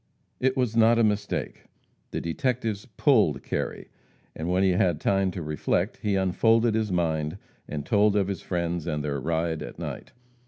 It was not a mistake. The detectives "pulled" Kerry, and when he had time to reflect, he unfolded his mind, and told of his friends and their ride at night.